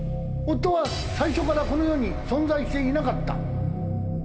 夫は最初からこの世に存在していなかった。